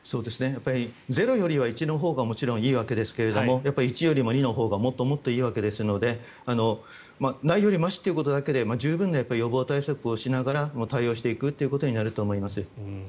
ゼロよりは１のほうがもちろんいいわけですが１よりも２のほうがもっともっといいわけですのでないよりましということだけで十分な予防対策をしながら対応していくということになると思います。